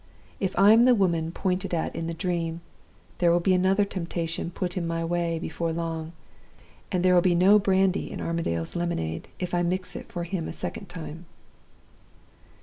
If I am the Woman pointed at in the Dream, there will be another temptation put in my way before long; and there will be no brandy in Armadale's lemonade if I mix it for him a second time."